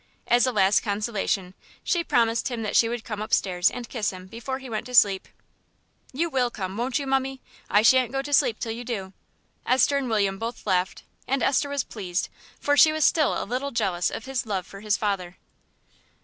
As a last consolation, she promised him that she would come upstairs and kiss him before he went to sleep. "You will come, won't you, mummie? I shan't go to sleep till you do." Esther and William both laughed, and Esther was pleased, for she was still a little jealous of his love for his father.